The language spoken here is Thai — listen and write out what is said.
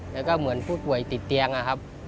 แล้วก็เหมือนผู้ป่วยติดเตียงนะครับ